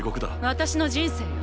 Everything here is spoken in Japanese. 私の人生よ